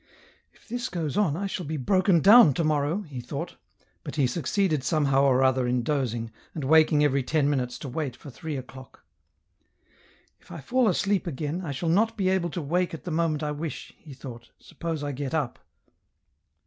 " If this goes on, I shall be broken down to morrow," he thought, but he succeeded somehow or other m dozing, and waking every ten minutes to wait for three o'clock. " If I fall asleep again, I shall not be able to wake at the moment I wish," he thought, " suppose I get up."